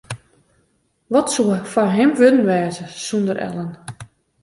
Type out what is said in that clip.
Wat soe fan him wurden wêze sonder Ellen?